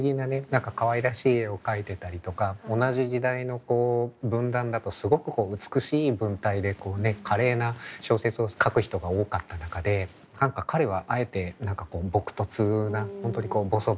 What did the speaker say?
何かかわいらしい絵を描いてたりとか同じ時代の文壇だとすごく美しい文体で華麗な小説を書く人が多かった中で何か彼はあえて朴とつな本当にぼそぼそとしゃべるような素朴な文体。